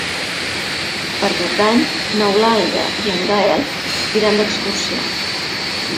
Per Cap d'Any n'Eulàlia i en Gaël iran d'excursió.